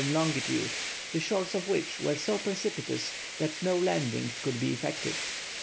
longitude, the shores of which were so precipitous that no landing could be effected.